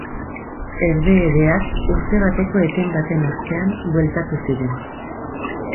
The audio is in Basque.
Herbehereak urte bateko eten baten ostean bueltatu ziren.